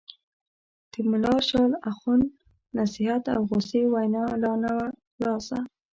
د ملا شال اخُند نصیحت او غوسې وینا لا نه وه خلاصه.